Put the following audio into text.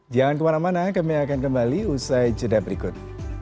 jangan kemana mana kami akan kembali usai jeda berikut